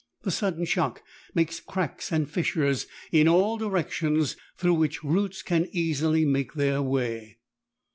The sudden shock makes cracks and fissures in all directions, through which roots can easily make their way.